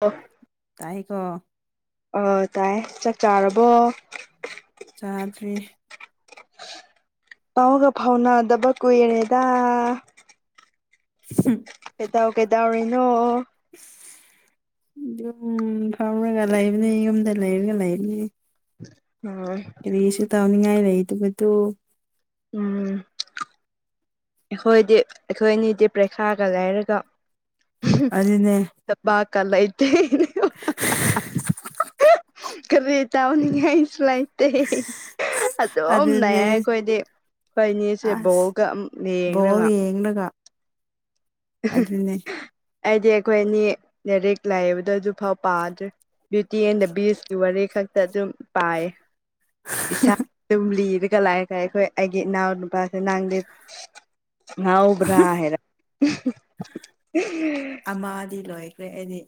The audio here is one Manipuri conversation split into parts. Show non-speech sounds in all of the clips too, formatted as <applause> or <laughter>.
ꯑꯣ ꯇꯥꯏ ꯀꯣ ꯑ ꯇꯥꯏ ꯆꯥꯛ ꯆꯥꯔꯕꯣ ꯆꯥꯗ꯭ꯔꯤ ꯄꯥꯎꯒ ꯐꯥꯎꯅꯗꯕ ꯀꯨꯏꯔꯦꯗꯥ ꯁ ꯀ‌ꯦꯗꯧ ꯀꯦꯗꯧꯔꯤꯅꯣ ꯑꯣ ꯑꯗꯨꯝ ꯐꯝꯔꯒ ꯂꯩꯕꯅꯦ ꯌꯨꯝꯗ ꯂꯩꯔꯒ ꯂꯩꯕꯅꯦ ꯑꯝ ꯀꯔꯤꯁꯨ ꯇꯧꯅꯤꯡꯉꯥꯏ ꯂꯩꯇꯕꯗꯨ ꯎꯝ ꯑꯩꯈꯣꯏꯗꯤ ꯑꯩꯈꯣꯏ ꯑꯅꯤꯗꯤ ꯄ꯭ꯔꯤꯈꯥꯒ ꯂꯩꯥꯔꯒ ꯑꯗꯨꯅꯦ ꯊꯕꯛꯒ ꯂꯨꯇꯦ <unintelligible> <unintelligible> ꯀꯔꯤ ꯇꯥꯎꯅꯤꯡꯉꯥꯏꯁꯨ ꯂꯩꯥꯇꯦ ꯑꯗꯨꯝ ꯑꯗꯨꯅꯦ ꯂꯩꯔꯦ ꯑꯩꯈꯣꯏꯗꯤ ꯍꯣꯏ ꯏꯅꯦꯁꯦ ꯑꯁ ꯕꯣꯜꯒ ꯑꯃꯨꯛ ꯕꯣꯜ ꯂꯦꯡꯂꯒ ꯌꯦꯡꯂꯒ ꯑꯗꯨꯅꯦ ꯑꯩꯗꯤ ꯑꯩꯈꯣꯏ ꯑꯅꯤ ꯂꯥꯏꯔꯤꯛ ꯂꯥꯏꯕꯗꯣ ꯑꯗꯨ ꯐꯥꯎ ꯄꯥꯗ꯭ꯔꯦ ꯕ꯭ꯌꯨꯇꯤ ꯑꯦꯟ ꯗ ꯕꯤꯁꯀꯤ ꯋꯥꯔꯤ ꯈꯛꯇ ꯑꯗꯨꯝ ꯄꯥꯏ ꯏꯁꯥ ꯑꯗꯨꯝ ꯂꯤꯔꯒ ꯂꯥꯛꯑꯒ ꯑꯩꯈꯣꯏ ꯑꯩꯒꯤ ꯏꯅꯥꯎ ꯅꯨꯄꯥꯁꯦ ꯅꯪꯗꯤ ꯉꯥꯎꯕ꯭ꯔꯥ ꯍꯥꯏꯔ ꯑꯃꯗꯤ ꯂꯣꯏꯈ꯭ꯔꯦ ꯑꯩꯗꯤ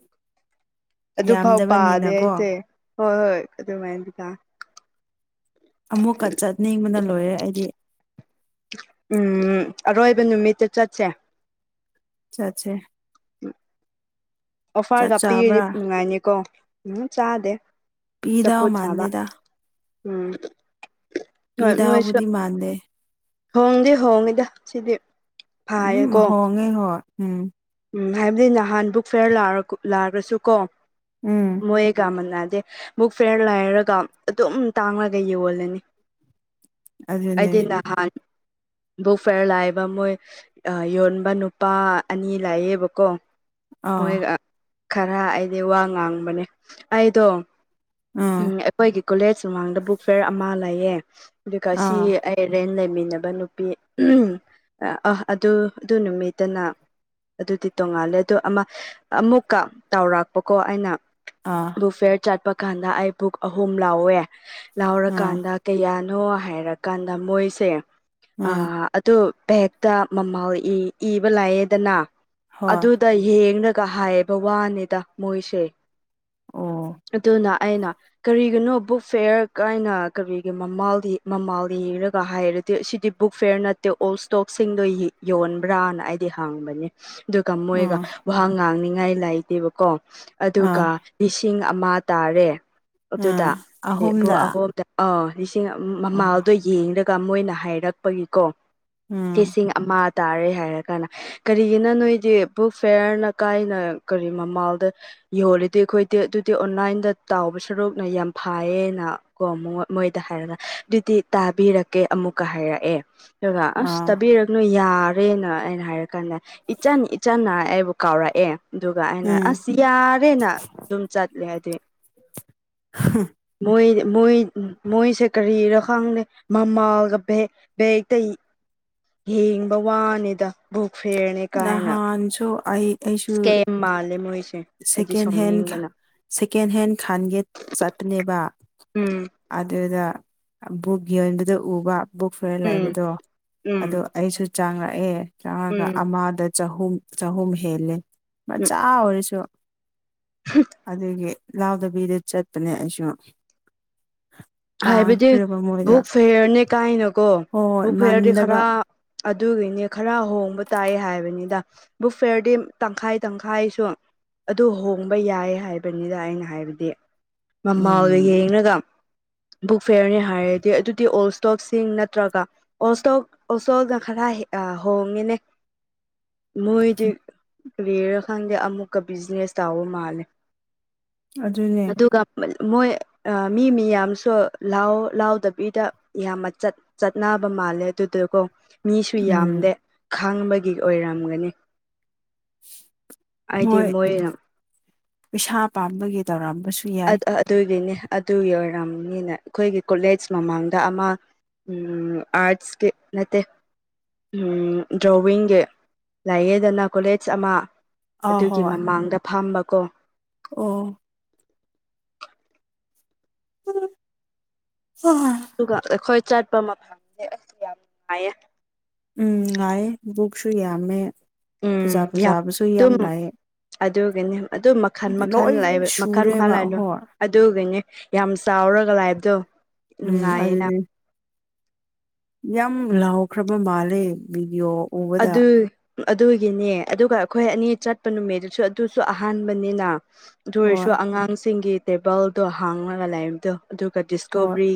ꯑꯗꯨꯐꯥꯎ ꯄꯥꯗꯦ ꯌꯥꯝꯗꯕꯅꯤꯅꯀꯣ ꯑꯩꯁꯦ ꯍꯣꯏ ꯍꯣꯏ ꯑꯗꯨꯃꯥꯏꯅꯗꯤ ꯑꯃꯨꯛꯀ ꯆꯠꯅꯤꯡꯕꯅ ꯂꯣꯏꯔꯦ ꯑꯩꯗꯤ ꯎꯝ ꯑꯔꯣꯏꯕ ꯅꯨꯃꯤꯠꯇ ꯆꯠꯁꯦ ꯆꯠꯁꯦ ꯆꯥꯛ ꯑꯣꯐꯥꯔꯒ ꯄꯤꯔꯗꯤ ꯆꯥꯕ꯭ꯔꯥ ꯅꯨꯡꯉꯥꯏꯅꯤꯀꯣ ꯎꯝ ꯆꯥꯗꯦ ꯄꯤꯗꯥꯎ ꯆꯥꯝꯐꯨꯠ ꯆꯥꯕ ꯃꯥꯟꯗꯦꯗ ꯎꯝ ꯍꯣꯏ ꯃꯣꯏꯁꯨ ꯄꯤꯗꯧꯕꯨꯗꯤ ꯃꯥꯥꯟꯗꯦ ꯍꯣꯡꯗꯤ ꯍꯣꯡꯉꯤꯗ ꯁꯤꯗꯤ ꯑꯗꯨꯝ ꯐꯥꯌꯦꯀꯣ ꯍꯣꯡꯉꯦ ꯍꯣꯏ ꯎꯝ ꯎꯝ ꯍꯥꯏꯕꯗꯤ ꯅꯍꯥꯟ ꯕꯨꯛ ꯐꯤꯌꯥꯔ ꯂꯥꯛꯑꯁꯨ ꯀꯣ ꯎꯝ ꯃꯣꯏꯒ ꯃꯅꯥꯗꯦ ꯃꯕꯨꯛ ꯐꯤꯌꯥꯔ ꯂꯥꯏꯔꯒ ꯑꯗꯨꯝ ꯇꯥꯡꯂꯒ ꯌꯣꯜꯂꯅꯤ ꯑꯗꯨꯅꯦ ꯑꯩꯗꯤ ꯅꯍꯥꯟ ꯕꯨꯛ ꯐꯤꯌꯥꯔ ꯂꯩꯕ ꯃꯣꯏ ꯌꯣꯟꯕ ꯅꯨꯄꯥ ꯑꯅꯤ ꯂꯥꯛꯌꯦꯕꯀꯣ ꯑꯥ ꯃꯣꯏꯒ ꯈꯔ ꯑꯩꯗꯤ ꯋꯥ ꯉꯥꯡꯕꯅꯦ ꯑꯩꯗꯣ ꯑꯥ ꯎꯝ ꯑꯩꯈꯣꯏꯒꯤ ꯀꯣꯂꯦꯖ ꯃꯨꯃꯥꯡꯗ ꯕꯨꯛ ꯐꯤꯌꯥꯔ ꯑꯃ ꯂꯩꯌꯦ ꯑꯗꯨꯒ ꯁꯤ ꯑꯥ ꯔꯦꯟ ꯂꯩꯃꯤꯟꯅꯕ ꯅꯨꯄꯤ ꯑ ꯑꯗꯨ ꯑꯗꯨ ꯅꯨꯃꯤꯠꯇꯅ ꯑꯗꯨꯗꯤ ꯇꯣꯡꯉꯥꯜꯂꯦ ꯑꯗꯣ ꯑꯃ ꯑꯃꯨꯛꯀ ꯇꯧꯔꯥꯛꯄꯀꯣ ꯑꯩꯅ ꯑꯥ ꯐꯤꯌꯥꯔ ꯆꯠꯄ ꯀꯥꯟꯗ ꯑꯩ ꯕꯨꯛ ꯑꯍꯨꯝ ꯂꯥꯎꯋꯦ ꯑꯥ ꯂꯥꯎꯔꯀꯥꯟꯗ ꯀꯌꯥꯅꯣ ꯍꯥꯏꯔꯀꯥꯟꯗ ꯃꯣꯏꯁꯦ ꯑꯥ ꯑꯗꯨ ꯕꯦꯛꯇ ꯃꯃꯥꯜ ꯏꯕ ꯂꯩꯑꯦꯗꯅ ꯍꯣꯏ ꯑꯗꯨꯗ ꯌꯦꯡꯂꯒ ꯍꯥꯏꯌꯦꯕ ꯋꯥꯅꯤꯗ ꯃꯣꯏꯁꯦ ꯑꯣ ꯑꯗꯨꯅ ꯑꯩꯅ ꯀꯔꯤꯒꯤꯅꯣ ꯕꯨꯛ ꯐꯦꯌꯥꯔ ꯀꯥꯏꯅ ꯀꯔꯤꯒꯤ ꯃꯃꯥꯜ ꯃꯃꯥꯜ ꯢꯔꯒ ꯍꯥꯏꯔ ꯁꯤꯗꯤ ꯕꯨꯛ ꯐꯤꯌꯥꯔ ꯅꯠꯇꯦ ꯑꯣꯜ ꯏꯁꯇꯣꯛꯁꯤꯡꯗꯣ ꯌꯣꯟꯕ꯭ꯔꯥꯅ ꯑꯩꯗꯤ ꯍꯥꯡꯕꯅꯦ ꯑꯗꯨꯒ ꯃꯣꯏꯒ ꯑꯥ ꯋꯥ ꯉꯥꯡꯅꯤꯉꯥꯏ ꯂꯩꯥꯏꯇꯦꯕꯀꯣ ꯑꯥ ꯑꯗꯨꯒ ꯂꯤꯁꯤꯡ ꯑꯃ ꯇꯥꯔꯦ ꯑꯥ ꯑꯗꯨꯗ <unintelligible> ꯑꯍꯨꯝꯗ <unintelligible> ꯑꯥ ꯂꯤꯁꯤꯡ ꯑꯥ ꯃꯃꯜꯗꯣ ꯌꯦꯡꯂꯒ ꯃꯣꯏꯅ ꯍꯥꯏꯔꯛꯄꯒꯤꯀꯣ ꯎꯝ ꯂꯤꯁꯤꯡ ꯑꯃ ꯇꯥꯔꯦ ꯍꯥꯏꯔꯀꯥꯟꯗ ꯀꯔꯤ ꯀꯔꯤꯒꯤꯅꯣ ꯅꯣꯏꯗꯤ ꯕꯨꯛ ꯐꯤꯌꯥꯔꯅ ꯀꯥꯏꯅ ꯀꯔꯤ ꯃꯃꯜꯗꯣ ꯌꯣꯜꯂꯤꯗꯤ ꯑꯩꯈꯣꯏꯗꯤ ꯑꯗꯨꯗꯤ ꯑꯣꯟꯂꯥꯏꯟꯗ ꯇꯥꯎꯕ ꯁꯔꯨꯛꯅ ꯌꯥꯝ ꯐꯥꯏꯌꯦꯅ ꯀꯣ ꯃꯣꯏꯗ ꯍꯥꯏꯔꯒ ꯑꯗꯨꯗꯤ ꯇꯥꯕꯤꯔꯛꯀꯦ ꯑꯃꯨꯛꯀ ꯍꯥꯏꯔꯛꯑꯦ ꯔꯒ ꯑꯁ ꯑꯥ ꯇꯥꯕꯤꯔꯛꯅꯨ ꯌꯥꯔꯦꯅ ꯑꯩꯅ ꯍꯥꯏꯔꯒꯥꯟꯗ ꯏꯆꯥꯟ ꯏꯆꯥꯟꯅ ꯑꯩꯕꯨ ꯀꯥꯎꯔꯛꯑꯦ ꯑꯗꯨꯒ ꯑꯩꯅ ꯎꯝ ꯑꯁ ꯌꯥꯔꯦꯅ ꯑꯗꯨꯝ ꯆꯠꯂꯦ ꯑꯩꯗꯤ ꯃꯣꯏ ꯃꯣꯏ ꯃꯣꯏꯁꯦ ꯀꯔꯤꯔ ꯈꯪꯗꯦ ꯃꯃꯥꯒ ꯕꯦꯛ ꯕꯦꯛꯇ ꯍꯦꯡꯕ ꯋꯥꯅꯤꯗ ꯕꯨꯛ ꯐꯤꯌꯥꯔꯅꯤ ꯅꯍꯥꯟꯁꯨ ꯑꯩ ꯑꯩꯁꯨ ꯃꯥꯂꯦ ꯃꯣꯏꯁꯦ ꯑꯩꯗꯤ ꯁꯦꯀꯦꯟ ꯍꯦꯟ ꯁꯥꯎꯅꯤꯡꯕꯅ ꯁꯦꯀꯦꯟ ꯍꯦꯟ ꯈꯥꯟꯒꯦ ꯆꯠꯄꯅꯦꯕ ꯎꯝ ꯑꯗꯨꯗ ꯕꯨꯛ ꯌꯣꯟꯕꯗ ꯎꯕ ꯕꯨꯛ ꯐꯤꯌꯥꯔ ꯎꯝ ꯂꯩꯕꯗꯣ ꯎꯝ ꯑꯗꯣ ꯑꯩꯁꯨ ꯆꯥꯡꯉꯛꯑꯦ ꯆꯥꯉꯒ ꯎꯝ ꯑꯃꯗ ꯆꯍꯨꯝ ꯆꯍꯨꯝ ꯍꯦꯜꯂꯦ ꯃꯆꯥ ꯑꯣꯏꯔꯁꯨ ꯍꯨꯝ ꯑꯗꯨꯒꯤ ꯂꯥꯎꯗꯕꯤꯗ ꯆꯠꯄꯅꯦ ꯑꯩꯁꯨ ꯍꯥꯏꯕꯗꯤ ꯇꯥꯡꯈ꯭ꯔꯦꯕ ꯃꯣꯏꯗ ꯕꯨꯛ ꯐꯤꯌꯥꯔꯅꯦ ꯀꯥꯏꯅꯀꯣ ꯍꯣꯏ ꯕꯨꯛ ꯐꯤꯌꯥꯔꯗꯤ ꯃꯥꯟꯗꯕ ꯈꯔ ꯑꯗꯨꯒꯤꯅꯦ ꯈꯔ ꯍꯣꯡꯕ ꯇꯥꯏ ꯍꯥꯏꯕꯅꯤꯗ ꯕꯨꯛ ꯐꯤꯌꯔꯗꯤ ꯇꯪꯈꯥꯏ ꯇꯪꯈꯥꯏꯁꯨ ꯑꯗꯨ ꯍꯣꯡꯕ ꯌꯥꯏ ꯍꯥꯏꯕꯅꯤꯗ ꯑꯩꯅ ꯍꯥꯏꯕꯗꯤ ꯃꯃꯥꯜꯒ ꯎꯝ ꯌꯦꯡꯉꯒ ꯕꯨꯛ ꯐꯤꯌꯥꯔꯅꯤ ꯍꯥꯏꯔꯗꯤ ꯑꯗꯨꯗꯤ ꯑꯣꯜ ꯏꯁꯇꯣꯞꯁꯤꯡ ꯅꯠꯇ꯭ꯔꯒ ꯑꯣꯜ ꯢ꯭ꯁꯇꯣꯛ ꯑꯣꯜ ꯢ꯭ꯁꯇꯣꯛ ꯈꯔ ꯑꯥ ꯍꯣꯡꯉꯦꯅꯦ ꯃꯣꯏꯗꯤ ꯀꯔꯤꯔ ꯈꯪꯗꯦ ꯑꯃꯨꯛꯀ ꯕꯤꯖꯤꯅꯦꯁ ꯇꯥꯎꯕ ꯃꯥꯜꯂꯦ ꯑꯗꯨꯅꯦ ꯑꯗꯨꯒ ꯃꯣꯏ ꯃꯤ ꯃꯤꯌꯥꯝ ꯗꯣ ꯂꯥꯎ ꯂꯥꯎꯗꯕꯤꯗ ꯌꯥꯝꯅ ꯆꯠ ꯆꯠꯅꯕ ꯃꯥꯜꯂꯦ ꯑꯗꯨꯗꯨꯀꯣ ꯃꯤꯁꯨ ꯎꯝ ꯌꯥꯝꯗꯦ ꯈꯪꯕꯒꯤ ꯑꯣꯏꯔꯝꯒꯅꯤ ꯑꯩꯗꯤ ꯃꯣꯏ ꯃꯣꯏꯅ ꯄꯩꯁꯥ ꯄꯥꯝꯕꯒꯤ ꯇꯧꯔꯝꯕꯁꯨ ꯌꯥꯏ ꯑꯗꯨꯒꯤꯅꯤ ꯑꯗꯨꯒꯤ ꯑꯣꯏꯔꯝꯅꯤ ꯒꯤꯅ ꯑꯩꯈꯣꯏꯒꯤ ꯀꯣꯂꯦꯖ ꯃꯃꯥꯡꯗ ꯑꯃ ꯑꯥꯔꯠꯁꯀꯤ ꯅꯠꯇꯦ ꯗ꯭ꯔꯣꯋꯤꯡꯒꯤ ꯂꯥꯏꯌꯦꯗꯅ ꯀꯣꯂꯦꯖ ꯑꯃ ꯑꯥ ꯑꯗꯨꯒꯤ ꯍꯣꯏ ꯃꯃꯥꯡꯗ ꯐꯝꯕꯀꯣ ꯑꯣ ꯍ ꯍ <inaudible> ꯑꯗꯨꯒ ꯑꯩꯈꯣꯏ ꯆꯠꯄ ꯃꯐꯝꯁꯦ ꯑꯩꯁ ꯌꯥꯝ ꯅꯨꯡꯉꯥꯏꯌꯦ ꯎꯝ ꯉꯥꯏꯌꯦ ꯕꯨꯛꯁꯨ ꯌꯥꯝꯃꯦ ꯐꯖ ꯎꯝ ꯌꯥꯝ ꯐꯖꯕꯁꯨ ꯌꯥꯝ ꯑꯗꯨꯝ ꯂꯩ ꯑꯗꯨꯒꯤꯅꯤ ꯑꯗꯨ ꯃꯈꯜ ꯃꯈꯜ ꯂꯩꯑꯦꯕ ꯃꯈꯜ ꯃꯈꯜ ꯁꯨꯔꯦꯕ ꯂꯩꯗꯣ ꯍꯣꯏ ꯑꯗꯨꯒꯤꯅꯦ ꯌꯥꯝ ꯆꯥꯎꯔꯒ ꯂꯥꯏꯕꯗꯣ ꯎꯝ ꯅꯨꯡꯉꯥꯏꯌꯦꯅ ꯑꯗꯨꯅꯦ ꯌꯥꯝ ꯂꯥꯎꯈ꯭ꯔꯕ ꯃꯥꯜꯂꯦ ꯚꯤꯗꯤꯑꯣ ꯎꯕꯗ ꯑꯗꯨ ꯑꯗꯨꯒꯤꯅꯦ ꯑꯗꯨꯒ ꯑꯩꯈꯣꯏ ꯑꯅꯤ ꯆꯠꯄ ꯅꯨꯃꯤꯠꯇꯁꯨ ꯑꯗꯨꯁꯨ ꯑꯍꯥꯟꯕꯅꯤꯅ ꯑꯗꯨ ꯑꯣꯏꯔꯁꯨ ꯍꯣꯏ ꯑꯉꯥꯡꯁꯤꯡꯒꯤ ꯇꯦꯕꯜꯗꯣ ꯍꯥꯡꯉꯒ ꯂꯩꯕꯗꯣ ꯑꯗꯨꯒ ꯍꯣꯏ ꯗꯤꯁꯀꯣꯕꯔꯤ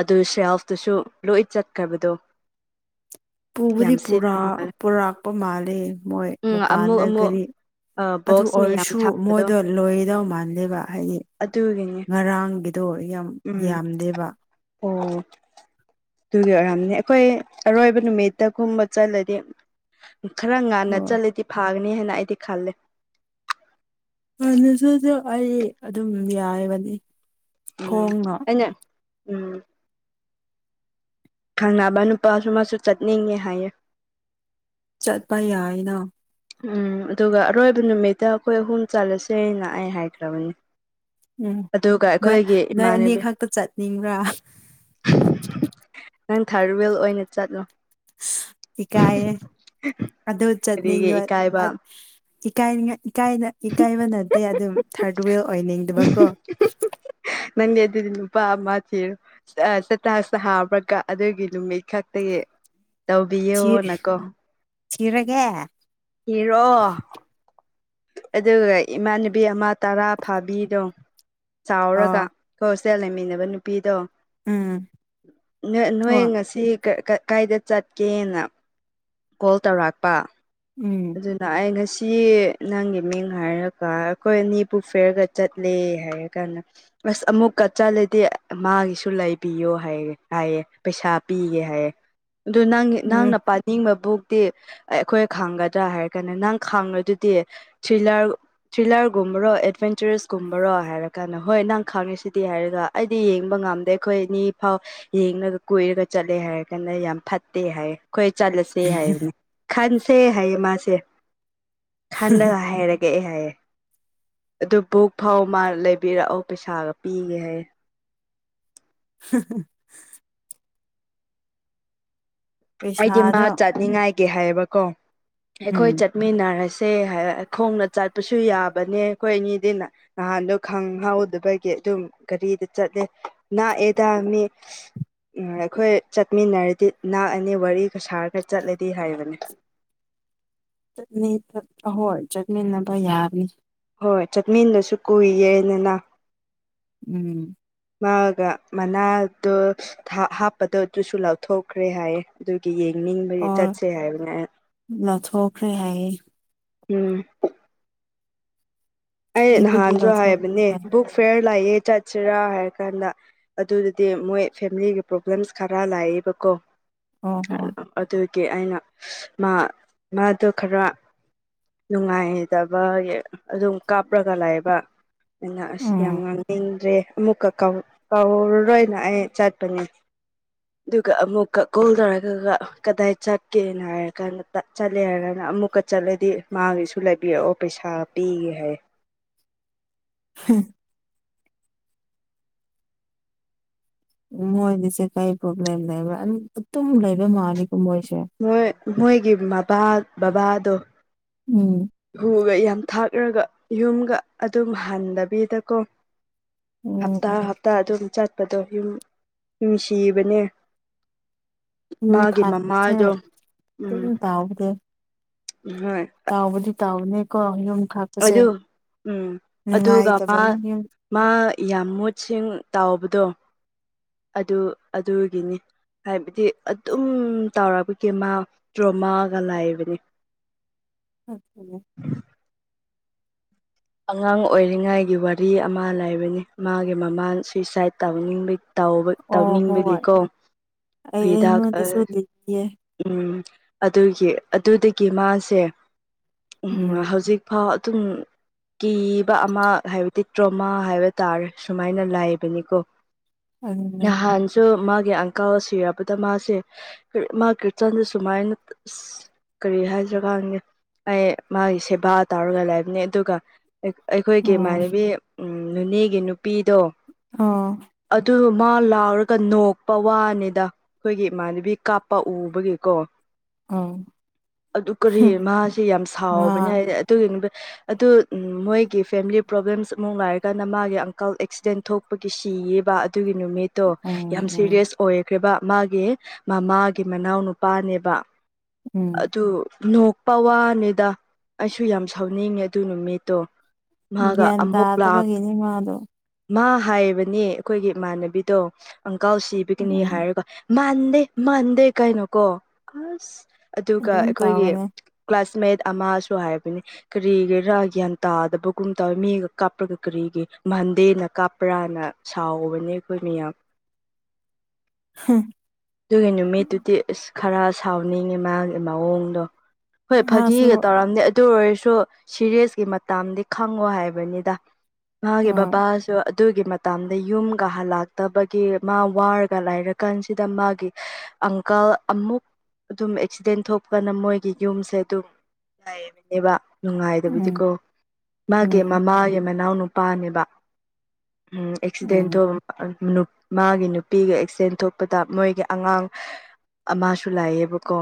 ꯑꯗꯨ ꯁꯦꯞꯇꯨꯁꯨ ꯂꯣꯏ ꯆꯠꯈ꯭ꯔꯕꯗꯣ ꯄꯨꯕꯨꯗꯤ ꯌꯥꯝ ꯄꯨꯔꯥ ꯁꯦꯠꯄ ꯃꯥꯜꯂꯦ ꯄꯨꯔꯛꯄ ꯃꯥꯂꯦ ꯃꯣꯏ ꯎꯝ ꯑꯃꯨꯛ ꯃꯄꯥꯟꯗ ꯑꯃꯨꯛ ꯀꯔꯤ ꯑ ꯑꯗꯨ ꯕꯣꯛꯁ ꯃꯌꯥꯝ ꯑꯣꯏꯔꯁꯨ ꯊꯥꯕꯗꯣ ꯃꯣꯏꯗꯣ ꯂꯣꯏꯗꯧ ꯃꯥꯜꯗꯦꯕ ꯍꯥꯏꯗꯤ ꯑꯗꯨꯒꯤꯅꯦ ꯉꯔꯥꯡꯒꯤꯗꯣ ꯌꯥꯝ ꯌꯥꯝꯗꯦꯕ ꯑꯣ ꯑꯗꯨꯒꯤ ꯑꯣꯏꯔꯝꯅꯤ ꯑꯩꯈꯣꯏ ꯑꯔꯣꯏꯕ ꯅꯨꯃꯤꯠ ꯇꯒꯨꯝꯕ ꯆꯠꯂꯗꯤ ꯈꯔ ꯉꯥꯟꯅ ꯑꯣ ꯆꯠꯂꯗꯤ ꯐꯥꯒꯅꯤ ꯍꯥꯏꯅ ꯑꯩꯗꯤ ꯈꯜꯂꯦ ꯍꯟꯅꯁꯨꯗꯨꯝ ꯑꯩ ꯑꯗꯨꯝ ꯌꯥꯔꯤꯕꯅꯤ ꯎꯝ ꯑꯩꯅ ꯎꯝ ꯈꯪꯅꯕ ꯅꯨꯄꯥꯁꯨ ꯃꯥꯁꯨ ꯆꯠꯅꯤꯡꯉꯦ ꯍꯥꯏꯌꯦ ꯆꯠꯄ ꯌꯥꯏꯅ ꯎꯝ ꯑꯗꯨꯒ ꯑꯔꯣꯏꯕ ꯅꯨꯃꯤꯠꯇ ꯑꯩꯈꯣꯏ ꯑꯍꯨꯝ ꯆꯠꯂꯁꯦꯅ ꯑꯩ ꯍꯥꯏꯈ꯭ꯔꯕꯅꯤ ꯎꯝ ꯑꯗꯨꯒ ꯅꯣꯏ ꯑꯩꯈꯣꯏꯒꯤ ꯅꯣꯏ ꯑꯅꯤ ꯏꯃꯥꯟꯅꯕꯤ ꯈꯛꯇ ꯆꯠꯅꯤꯡꯕ꯭ꯔꯥ ꯅꯪ ꯊꯥꯔ ꯋꯦꯜ ꯑꯣꯏꯅ ꯆꯠꯂꯣ ꯏꯀꯥꯏꯍꯦ ꯑꯗꯣ ꯀꯔꯤꯒꯤ ꯆꯠꯅꯤꯡꯕ ꯏꯀꯥꯏꯕ <unintelligible> ꯥꯏꯀꯥꯏꯅꯤꯡ ꯏꯀꯥꯏꯅ ꯏꯀꯥꯏꯕ ꯅꯠꯇꯦ ꯑꯗꯨꯝ ꯊꯥ꯭ꯔꯗ ꯋꯤꯜ ꯑꯣꯏꯅꯤꯡꯗꯕꯀꯣ ꯅꯪꯒꯤ ꯑꯗꯨꯗꯤ ꯅꯨꯄꯥ ꯑꯃ ꯊꯤꯔꯣ ꯁꯇꯦꯇꯁꯇ ꯍꯥꯕ꯭ꯔ <unintelligible> ꯑꯗꯨꯒꯤ ꯅꯨꯃꯤꯠ ꯈꯛꯇꯒꯤ ꯊꯤ ꯇꯧꯕꯤꯌꯣꯅꯀꯣ ꯊꯤꯔꯒꯦ ꯊꯤꯔꯣ ꯑꯗꯨꯒ ꯏꯃꯥꯟꯅꯕꯤ ꯑꯃ ꯇꯔꯥ ꯐꯥꯕꯤꯗꯣ ꯆꯥꯎꯔꯒ ꯑꯣ ꯈꯣꯏ ꯍꯣꯁꯇꯦꯜ ꯂꯩꯃꯤꯟꯅꯕ ꯅꯨꯄꯤꯗꯣ ꯎꯝ ꯅꯣꯏ ꯅꯣꯏ ꯍꯣꯏ ꯉꯁꯤ ꯀ ꯀ ꯀꯥꯏꯗ ꯆꯠꯀꯦꯅ ꯀꯣꯜ ꯇꯧꯔꯛꯄ ꯎꯝ ꯑꯗꯨꯅ ꯑꯩ ꯉꯁꯤ ꯅꯪꯒꯤ ꯃꯤꯡ ꯍꯥꯏꯔꯒ ꯑꯩꯈꯣꯏ ꯑꯅꯤ ꯕꯨꯛ ꯐꯦꯌꯔꯒ ꯆꯠꯂꯦ ꯍꯥꯏꯔ ꯀꯥꯟꯗ ꯑ꯭ꯁ ꯑꯃꯨꯛꯀ ꯆꯠꯂꯗꯤ ꯃꯥꯒꯤꯁꯨ ꯂꯩꯕꯤꯌꯣ ꯍꯥꯏꯌꯦ ꯍꯥꯏꯌꯦ ꯄꯩꯁꯥ ꯄꯤꯒꯦ ꯍꯥꯏꯌꯦ ꯑꯗꯨ ꯅꯪ ꯎꯝ ꯅꯪꯅ ꯄꯥꯅꯤꯡꯕ ꯕꯨꯛꯇꯤ ꯑꯩꯈꯣꯏ ꯈꯥꯡꯒ ꯑ <unintelligible> ꯍꯥꯏꯔ ꯀꯥꯟꯗ ꯅꯪ ꯈꯥꯡꯉꯗꯨꯗꯤ ꯊ꯭ꯔꯤꯂꯔ ꯊ꯭ꯔꯤꯜꯂꯔꯒꯨꯝꯕꯔꯣ ꯑꯦꯗꯚꯦꯟꯆꯔꯁꯀꯨꯝꯕꯔꯣ ꯍꯥꯏꯔ ꯀꯥꯟꯗ ꯍꯣꯏ ꯅꯪ ꯈꯥꯡꯉꯤ ꯁꯤꯗꯤ ꯍꯥꯏꯔꯒ ꯑꯩꯗꯤ ꯌꯦꯡꯕ ꯉꯝꯗꯦ ꯑꯩꯈꯣꯏ ꯅꯤ ꯐꯥꯎ ꯌꯦꯡꯂꯒ ꯀꯣꯏꯔꯒ ꯆꯠꯂꯦ ꯍꯥꯏꯔ ꯀꯥꯟꯗ ꯌꯥꯝ ꯐꯠꯇꯦ ꯍꯥꯏꯌꯦ ꯑꯩꯈꯣꯏ ꯆꯠꯂꯁꯦ ꯍꯥꯏꯕꯅꯦ ꯈꯟꯁꯦ ꯍꯥꯏꯌꯦ ꯃꯥꯁꯦ ꯈꯟꯂꯒ ꯍꯥꯏꯔꯛ ꯀꯦ ꯍꯥꯏꯌꯦ ꯑꯗꯨ ꯕꯨꯛ ꯐꯥꯎ ꯃꯥ ꯂꯩꯕꯤꯔꯛꯑꯣ ꯄꯩꯁꯥꯒ ꯄꯤꯒꯦ ꯍꯥꯏꯌꯦ ꯑꯩꯗꯤ ꯃꯥ ꯄꯩꯁꯥꯗꯣ ꯆꯠꯅꯤꯡꯉꯥꯏꯒꯤ ꯍꯥꯏꯌꯦꯕꯀꯣ ꯎꯝ ꯑꯩꯈꯣꯏ ꯆꯠ ꯃꯤꯟꯅꯔꯁꯦ ꯈꯣꯡꯅ ꯆꯠꯄꯁꯨ ꯌꯥꯕꯅꯦ ꯑꯩꯈꯣꯏ ꯑꯅꯤꯗꯤꯅ ꯅꯍꯥꯟꯗꯣ ꯈꯪꯍꯧꯗꯕꯒꯤ ꯑꯗꯨꯝ ꯒꯥꯔꯤꯗ ꯆꯠꯂꯦ ꯅꯥꯛꯑꯦꯗ ꯃꯤ ꯎꯝ ꯑꯩꯈꯣꯏ ꯆꯠꯃꯤꯟꯅꯔꯗꯤ ꯅꯥꯛꯑꯅꯤ ꯋꯥꯔꯤꯒ ꯁꯥꯔꯒ ꯆꯠꯂꯗꯤ ꯍꯥꯏꯕꯅꯦ ꯆꯠꯅꯤ <unintelligible> ꯑ ꯍꯣꯏ ꯆꯠꯃꯤꯟꯅꯕ ꯌꯥꯕꯅꯤ ꯍꯣꯏ ꯆꯠꯃꯤꯟꯅꯁꯨ ꯀꯨꯏꯌꯦꯅꯅ ꯎꯝ ꯃꯥꯒ ꯃꯅꯥꯗꯣ <unintelligible> ꯍꯥꯞꯄꯗꯣ ꯑꯗꯨꯁꯨ ꯂꯧꯊꯣꯛꯈ꯭ꯔꯦ ꯍꯥꯏꯌꯦ ꯑꯗꯨꯒꯤ ꯌꯦꯡꯅꯤꯡꯕꯒꯤ ꯑꯣ ꯆꯠꯁꯦ ꯍꯥꯏꯕꯅꯦ ꯑꯩ ꯂꯧꯊꯣꯛꯈ꯭ꯔꯦ ꯍꯥꯏꯌꯦ ꯎꯝ ꯑꯩ ꯀꯤꯕꯒꯤ ꯅꯍꯥꯟꯁꯨ ꯂꯧꯊꯣꯛꯈ꯭ꯔꯦ ꯍꯥꯏꯕꯅꯦ ꯍꯥꯏꯌꯦ ꯕꯨꯛ ꯐꯤꯌꯔ ꯂꯩꯌꯦ ꯆꯠꯁꯤꯔꯥ ꯍꯥꯏꯔ ꯀꯥꯟꯗ ꯑꯗꯨꯗꯗꯤ ꯃꯣꯏ ꯐꯦꯃꯤꯂꯤꯒꯤ ꯄ꯭ꯔꯣꯕ꯭ꯂꯦꯝꯁ ꯈꯔ ꯂꯩꯑꯦꯕꯀꯣ ꯑꯣ ꯍꯣ ꯑꯗꯨꯒꯤ ꯑꯩꯅ ꯃꯥ ꯃꯥꯗꯣ ꯈꯔ ꯅꯨꯡꯉꯥꯏꯇꯕꯒꯤ ꯑꯗꯨꯝ ꯀꯥꯞꯔꯒ ꯂꯩꯕ ꯑꯩꯅ ꯑꯁ ꯎꯝ ꯌꯥꯝ ꯉꯥꯡꯅꯤꯡꯗ꯭ꯔꯦ ꯑꯃꯨꯛꯀ ꯀꯥꯎꯔꯔꯣꯢꯅ ꯑꯩꯅ ꯆꯥꯠꯄꯅꯤ ꯑꯗꯨꯒ ꯑꯃꯨꯛꯀ ꯀꯣꯜ ꯇꯧꯔꯒꯒ ꯀꯗꯥꯏ ꯆꯠꯀꯦꯅ ꯍꯥꯏꯔꯀꯥꯟꯗ ꯆꯠꯂꯦ ꯍꯥꯏꯔꯒꯅ ꯑꯃꯨꯛꯀ ꯆꯠꯂꯗꯤ ꯃꯥꯒꯤꯁꯨ ꯂꯩꯕꯤꯔꯛꯑꯣ ꯄꯩꯁꯥ ꯄꯤꯒꯦ ꯍꯥꯏꯌꯦ ꯍꯨꯝ ꯃꯣꯏꯒꯤꯁꯦ ꯀꯩ ꯄ꯭ꯔꯣꯕꯂꯦꯝ ꯑꯗꯨꯝ ꯂꯩꯕ ꯃꯥꯂꯦꯒꯣ ꯃꯣꯏꯁꯦ ꯃꯣꯏ ꯃꯣꯏꯒꯤ ꯃꯄꯥ ꯕꯕꯥꯗꯣ ꯎꯝ ꯌꯨꯒ ꯌꯥꯝ ꯊꯥꯛꯂꯒ ꯌꯨꯝꯒ ꯑꯗꯨꯝ ꯍꯟꯗꯕꯤꯗꯀꯣ ꯎꯝ ꯍꯞꯇꯥ ꯎꯝ ꯍꯞꯇꯥ ꯑꯗꯨꯝ ꯆꯠꯄꯗꯣ ꯌꯨꯝ ꯅꯨꯡꯁꯤꯕꯅꯦ ꯌꯨ ꯃꯥꯒꯤ ꯃꯃꯥꯗꯣ ꯎꯝ ꯅꯕꯥꯗꯨ ꯍꯣꯏ ꯇꯥꯎꯕꯗꯤ ꯇꯥꯎꯕꯅꯦꯀꯣ ꯌꯨꯝꯈꯥꯛ ꯑꯗꯨ ꯎꯝ ꯑꯗꯨꯒ ꯃꯥ ꯌꯨꯝ ꯃꯥ ꯌꯥꯝ ꯃꯨꯠꯁꯤꯡ ꯇꯥꯎꯕꯗꯣ ꯑꯗꯨ ꯑꯗꯨꯒꯤꯅꯤ ꯍꯥꯏꯕꯗꯤ ꯑꯗꯨꯝ ꯇꯧꯔꯛꯄꯒꯤ ꯃꯥ ꯗ꯭ꯔꯣꯃꯥꯒ ꯂꯩꯕꯅꯤ <inaudible> ꯎꯃꯦ <inaudible> ꯑꯉꯥꯡ ꯑꯣꯏꯔꯤꯉꯥꯏꯒꯤ ꯋꯥꯔꯤ ꯑꯃ ꯂꯩꯕꯅꯤ ꯃꯥꯒꯤ ꯃꯃꯥ ꯁꯨꯏꯁꯥꯏꯠ ꯇꯧꯅꯤꯡꯕꯒꯤ ꯇꯧꯕ ꯑꯣ ꯍꯣꯏ ꯇꯧꯅꯤꯡꯕꯒꯤꯀꯣ ꯑꯩ ꯍꯤꯗꯥꯛ ꯑꯩꯉꯣꯟꯗꯁꯨ ꯂꯤꯕꯤꯌꯦ ꯎꯝ ꯑꯗꯨꯒꯤ ꯑꯗꯨꯗꯒꯤ ꯃꯥꯁꯦ ꯎꯝ ꯍꯧꯖꯤꯛ ꯐꯥꯎ ꯑꯗꯨꯝ ꯀꯤꯕ ꯑꯃ ꯍꯥꯏꯕꯗꯤ ꯇ꯭ꯔꯣꯃꯥ ꯍꯥꯏꯕ ꯇꯥꯔꯦ ꯁꯨꯃꯥꯏꯅ ꯂꯥꯏꯕꯅꯤꯀꯣ ꯑꯗꯨꯅꯦ ꯅꯍꯥꯟ ꯁꯨ ꯃꯥꯒꯤ ꯑꯪꯀꯥꯜ ꯁꯤꯔꯕꯗ ꯃꯥꯁꯦ ꯃꯥ ꯀ꯭ꯔꯤꯆꯟꯗ ꯁꯨꯃꯥꯏꯅ ꯀꯔꯤ ꯍꯥꯏꯁꯤꯔꯥ ꯈꯪꯗꯦ ꯑꯩ ꯃꯥꯒꯤ ꯁꯦꯕꯥ ꯇꯧꯔꯒ ꯂꯩꯕꯅꯦ ꯑꯗꯨꯒ ꯑꯩꯈꯣꯏꯒꯤ ꯎꯝ ꯏꯃꯥꯟꯅꯕꯤ ꯅꯦꯅꯦꯒꯤ ꯅꯨꯄꯤꯗꯣ ꯑꯥ ꯑꯗꯨ ꯃꯥ ꯂꯥꯛꯑꯒ ꯅꯣꯛꯄ ꯋꯥꯅꯤꯗ ꯑꯩꯈꯣꯏꯒꯤ ꯏꯃꯥꯟꯅꯕꯤ ꯀꯥꯞꯄ ꯎꯕꯒꯤꯀꯣ ꯑꯣ ꯑꯗꯨ ꯀꯔꯤ ꯃꯥꯁꯦ ꯌꯥꯝ ꯃꯥ ꯁꯥꯎꯕꯅꯤ ꯍꯥꯏꯗꯤ ꯑꯗꯨꯒꯤ ꯅꯨꯃꯤꯠ ꯑꯗꯨ ꯎꯝ ꯃꯣꯏꯒꯤ ꯐꯦꯃꯤꯂꯤ ꯄ꯭ꯔꯣꯕ꯭ꯂꯦꯝꯁ ꯑꯃꯨꯛ ꯂꯩꯔꯒꯥꯟꯗ ꯃꯥꯒꯤ ꯑꯪꯀꯜ ꯑꯦꯛꯁꯤꯗꯦꯟ ꯊꯣꯛꯄꯒꯤ ꯁꯤꯌꯦꯕ ꯑꯗꯨꯒꯤ ꯅꯨꯃꯤꯠ ꯇꯣ ꯎꯝ ꯌꯥꯝ ꯎꯝ ꯁꯦꯔꯤꯌꯁ ꯑꯣꯏꯈ꯭ꯔꯦꯕ ꯃꯥꯒꯤ ꯃꯃꯥꯒꯤ ꯃꯅꯥꯎ ꯅꯨꯄꯥꯅꯦꯕ ꯎꯝ ꯑꯗꯨ ꯅꯣꯛꯄ ꯋꯥꯅꯤꯗ ꯑꯩꯁꯨ ꯌꯥꯝ ꯁꯥꯎꯅꯤꯡꯉꯦ ꯑꯗꯨ ꯅꯨꯃꯤꯠꯇꯣ ꯃꯥꯒ ꯒ꯭ꯌꯥꯟ ꯑꯃꯨꯛ ꯂꯥꯎ ꯇꯥꯕꯒꯤꯅꯤ ꯃꯥꯗꯣ ꯃꯥ ꯍꯥꯏꯕꯅꯤ ꯑꯩꯈꯣꯏꯒꯤ ꯏꯃꯥꯟꯅꯕꯤꯗꯣ ꯑꯪꯀꯥꯜ ꯁꯤꯕꯒꯤꯅꯤ ꯎꯝ ꯍꯥꯏꯔꯒ ꯃꯥꯟꯗꯦ ꯃꯥꯟꯗꯦ ꯀꯩꯅꯣ ꯀꯣ ꯑꯁ ꯑꯗꯨꯒ ꯑꯗꯨꯝ ꯑꯩꯈꯣꯏꯒꯤ ꯇꯧꯕꯅꯦ ꯀ꯭ꯂꯥꯁꯃꯦꯠ ꯑꯃꯁꯨ ꯍꯥꯏꯕꯅꯤ ꯀꯔꯤꯒꯤꯔꯥ ꯒ꯭ꯌꯥꯟ ꯇꯥꯗꯕꯒꯨꯝ ꯇꯧꯋꯦ ꯃꯤꯒ ꯀꯥꯞꯔꯒ ꯀꯔꯤꯒꯤ ꯃꯥꯟꯗꯦꯅ ꯀꯥꯞꯄ꯭ꯔꯥꯅ ꯁꯥꯎꯕꯅꯦ ꯑꯩꯈꯣꯏ ꯃꯤꯌꯥꯝ <inaudible> ꯍꯨꯡ ꯑꯗꯨꯒꯤ ꯅꯨꯃꯤꯠꯇꯨꯗꯤ ꯑ꯭ꯁ ꯈꯔ ꯁꯥꯎꯅꯤꯡꯉꯦ ꯃꯥꯒꯤ ꯃꯑꯣꯡꯗꯣ ꯍꯣꯏ ꯃꯥꯁꯨ ꯐꯥꯒꯤꯒ ꯇꯧꯔꯝꯅꯤ ꯑꯗꯨ ꯑꯣꯏꯔꯁꯨ ꯁꯤꯔꯤꯌ꯭ꯁꯀꯤ ꯥ ꯇꯝꯗꯤ ꯈꯪꯉꯣ ꯍꯥꯏꯕꯅꯤꯗ ꯃꯥꯒꯤ ꯍꯣꯏ ꯕꯕꯥ ꯑꯗꯨꯒꯤ ꯃꯇꯝꯗ ꯌꯨꯝꯒ ꯍꯜꯂꯛꯇꯕꯒꯤ ꯃꯥ ꯋꯥꯔꯒ ꯂꯥꯏꯔꯀꯥꯟꯁꯤꯗ ꯃꯥꯒꯤ ꯑꯪꯀꯜ ꯑꯃꯨꯛ ꯑꯗꯨꯝ ꯑꯦꯛꯁꯤꯗꯦꯟ ꯊꯣꯛꯇꯅ ꯃꯣꯏꯒꯤ ꯌꯨꯝꯁꯦ ꯑꯗꯨꯝ ꯅꯨꯡꯥꯏꯌꯦꯕꯅꯦꯕ <unintelligible> ꯎꯝ ꯅꯨꯡꯉꯥꯏꯗꯕꯗꯤꯀꯣ ꯃꯥꯒꯤ ꯎꯝ ꯃꯃꯥꯒꯤ ꯃꯅꯥꯎ ꯅꯨꯄꯥꯅꯦꯕ ꯎꯝ ꯑꯦꯛꯁꯤꯗꯦꯟ ꯎꯝ ꯊꯣꯛ ꯅꯨꯞ ꯃꯥꯒꯤ ꯅꯨꯄꯤꯒ ꯑꯦꯛꯁꯤꯗꯦꯟ ꯊꯣꯛꯄꯗ ꯃꯣꯏꯒꯤ ꯑꯉꯥꯡ ꯑꯃꯁꯨ ꯂꯩꯌꯦꯕꯀꯣ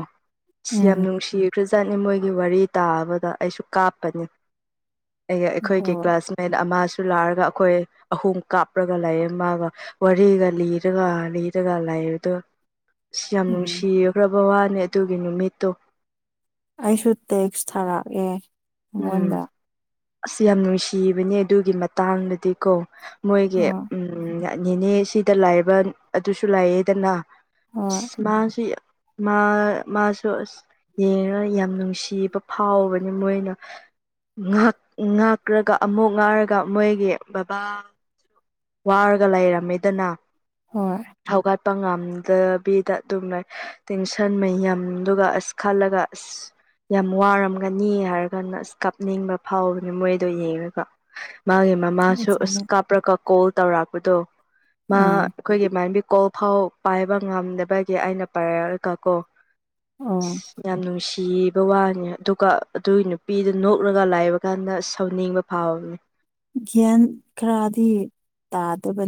ꯑ꯭ꯁ ꯎꯝ ꯌꯥꯝ ꯅꯨꯡꯁꯤꯈ꯭ꯔꯖꯥꯠꯅꯤ ꯃꯣꯏꯒꯤ ꯋꯥꯔꯤ ꯇꯥꯕꯗ ꯑꯩꯁꯨ ꯀꯥꯞꯄꯅꯤ ꯑꯩ ꯑꯩꯈꯣꯏꯒꯤ ꯍꯣꯏ ꯀ꯭ꯂꯥꯁꯃꯦꯠ ꯑꯃꯁꯨ ꯂꯥꯛꯑꯒ ꯑꯩꯈꯣꯏ ꯑꯍꯨꯝ ꯀꯥꯞꯔꯒ ꯂꯩꯌꯦ ꯃꯥꯒ ꯋꯥꯔꯤꯒ ꯂꯤꯔꯒ ꯂꯤꯔꯒ ꯂꯩꯕꯗꯨ ꯑ꯭ꯁ ꯌꯥꯝ ꯎꯝ ꯅꯨꯡꯁꯤꯒ꯭ꯔꯕ ꯋꯥꯅꯦ ꯑꯗꯨꯒꯤ ꯅꯨꯃꯤꯠꯇꯨ ꯑꯩꯁꯨ ꯇꯦꯛꯁ ꯊꯥꯔꯛꯑꯦ ꯎꯝ ꯃꯉꯣꯟꯗ ꯑ꯭ꯁ ꯌꯥꯝ ꯅꯨꯡꯁꯤꯕꯅꯦ ꯑꯗꯨꯒꯤ ꯃꯇꯥꯡꯗꯗꯤꯀꯣ ꯃꯣꯏꯒꯤ ꯍꯣꯏ ꯎꯝ ꯅꯤꯅꯦ ꯁꯤꯗ ꯂꯥꯏꯕ ꯑꯗꯨꯁꯨ ꯂꯥꯏꯑꯦꯗꯅ ꯍꯣꯏ ꯃꯥꯁꯤ <unintelligible> ꯃꯥ ꯃꯥꯁꯨ ꯑ꯭ꯁ ꯌꯦꯡꯔ ꯌꯥꯝ ꯅꯨꯡꯁꯤꯕ ꯐꯥꯎꯕꯅꯦ ꯃꯣꯏꯅ ꯉꯥꯛ ꯉꯥꯛꯔꯒ ꯑꯃꯨꯛ ꯉꯥꯏꯔꯒ ꯃꯣꯏꯒꯤ ꯕꯕꯥ ꯋꯥꯔꯒ ꯂꯩꯔꯝꯃꯤꯗꯅ ꯍꯣꯏ ꯍꯧꯒꯠꯄ ꯉꯝꯗꯕꯤꯗ ꯑꯗꯨꯝ ꯂꯩ ꯇꯦꯟꯁꯟ ꯃꯌꯥꯝꯗꯨꯒ ꯑꯁ ꯈꯜꯂꯒ ꯑꯁ ꯌꯥꯝ ꯋꯥꯔꯝꯒꯅꯤ ꯍꯥꯏꯔ ꯑ꯭ꯁ ꯀꯞꯅꯤꯡꯕ ꯐꯥꯎꯕꯅꯦ ꯃꯣꯏꯗꯣ ꯌꯦꯡꯔꯒ ꯃꯥꯒꯤ ꯃꯃꯥꯁꯨ ꯑꯁ ꯑꯗꯨꯅꯦ ꯀꯞꯔꯒ ꯀꯣꯜ ꯇꯧꯔꯛꯄꯗꯣ ꯃꯥ ꯎꯝ ꯑꯩꯈꯣꯏꯒꯤꯕꯤ <unintelligible> ꯀꯣꯜ ꯐꯥꯎ ꯄꯥꯏꯕ ꯉꯝꯗꯕꯒꯤ ꯑꯩꯅ ꯄꯥꯏꯔꯒꯀꯣ ꯎꯝ ꯑ꯭ꯁ ꯌꯥꯝ ꯅꯨꯡꯁꯤꯕ ꯋꯥꯅꯦ ꯑꯗꯨꯒ ꯑꯗꯨꯏ ꯅ <unintelligible> ꯄꯤꯗꯨ ꯅꯣꯛꯔꯒ ꯂꯩꯕ ꯀꯥꯟꯗ ꯁꯥꯎꯅꯤꯡꯕ ꯐꯥꯎꯕꯅꯤ ꯒ꯭ꯌꯥꯟ ꯈꯔꯗꯤ ꯇꯥꯗꯕꯅꯤ